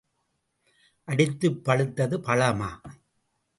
அடித்துப் பழுத்தது பழமா?